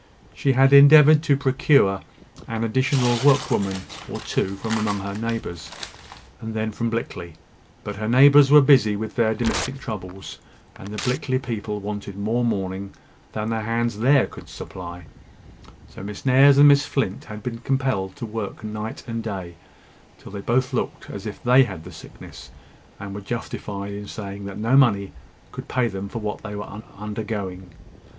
She had endeavoured to procure an additional work woman or two from among her neighbours, and then from Blickley: but her neighbours were busy with their domestic troubles, and the Blickley people wanted more mourning than the hands there could supply; so Miss Nares and Miss Flint had been compelled to work night and day, till they both looked as if they had had the sickness, and were justified in saying that no money could pay them for what they were undergoing.